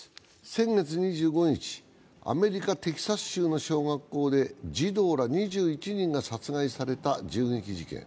先月２５日、アメリカ・テキサス州の小学校で児童ら２１人が殺害された銃撃事件。